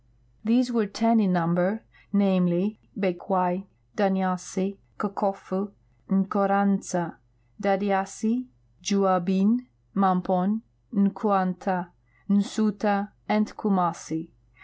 These were ten in number, namely, Beckwai, Daniassi, Kokofu, Nkoranza, Dadiassi, Juabin, Mampon, Nquanta, Nsuta, and Kumassi.